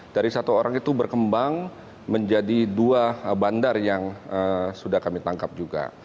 dari satu orang itu berkembang menjadi dua bandar yang sudah kami tangkap juga